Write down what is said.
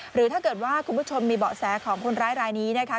หรือถ้าเกิดว่าคุณผู้ชมมีเบาะแสของคนร้ายรายนี้นะคะ